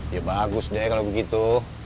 ya bagus deh kalau begitu